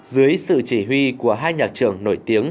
dưới sự chỉ huy của hai nhạc trưởng nổi tiếng